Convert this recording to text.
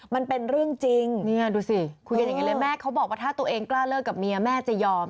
มันเป็นเรื่องจริงเนี่ยดูสิคุยกันอย่างนี้เลยแม่เขาบอกว่าถ้าตัวเองกล้าเลิกกับเมียแม่จะยอม